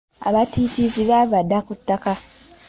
Abatiitiizi baava dda ku ttaka.